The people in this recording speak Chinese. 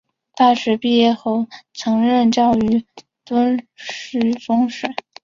大学毕业后曾任教于敦叙中学。